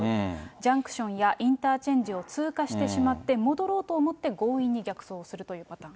ジャンクションやインターチェンジを通過してしまって、戻ろうと思って強引に逆走するというパターン。